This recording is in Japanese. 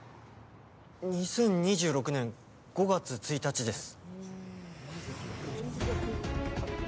２０２６年５月１日です。